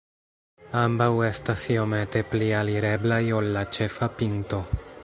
Ambaŭ estas iomete pli alireblaj ol la ĉefa pinto.